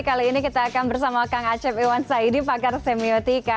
kali ini kita akan bersama kang acep iwan saidi pakar semiotika